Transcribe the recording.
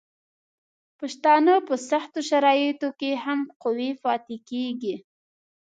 پښتانه په سختو شرایطو کې هم قوي پاتې کیږي.